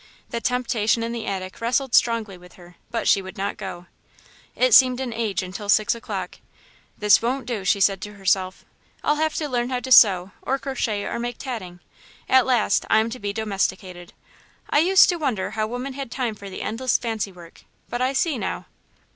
The temptation in the attic wrestled strongly with her, but she would not go. It seemed an age until six o'clock. "This won't do," she said to herself; "I'll have to learn how to sew, or crochet, or make tatting. At last, I am to be domesticated. I used to wonder how women had time for the endless fancy work, but I see, now."